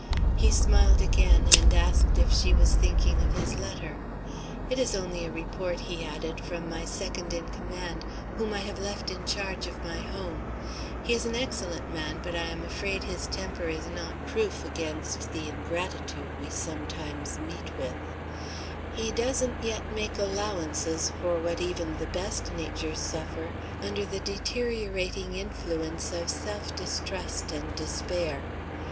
He smiled again; and asked if she was thinking of his letter. "It is only a report," he added, "from my second in command, whom I have left in charge of my Home. He is an excellent man; but I am afraid his temper is not proof against the ingratitude which we sometimes meet with. He doesn't yet make allowances for what even the best natures suffer, under the deteriorating influence of self distrust and despair.